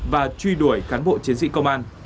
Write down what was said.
và truy đuổi cán bộ chiến sĩ công an